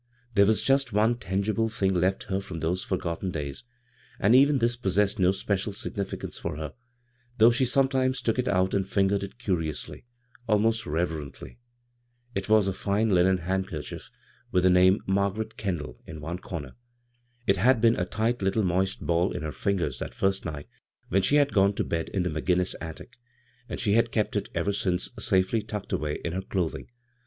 There was just one tangible thing left her from those forgotten days, and even this possessed no special significance for her, though she sometimes took it out and fingered it curiously, almost reverently. It was a fine linen handkerchief with the b, Google CROSS CURRENTS name " Marg^et Kendall " in one comer. It had been a tight little moist ball in her fijigers that first night when she had gone to bed in the McGinnis attic, and she had kept it ever since safely tucked away in her cloth ing.